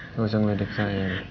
nggak usah ngeledek saya